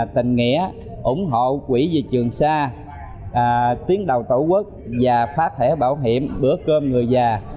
tình nghĩa ủng hộ quỹ về trường xa tiến đầu tổ quốc và phát thể bảo hiểm bữa cơm người già